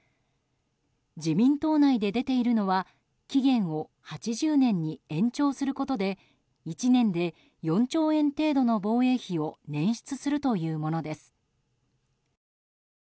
自民党内で出ているのは期限を８０年に延長することで１年で４兆円程度の防衛費を捻出するというものです。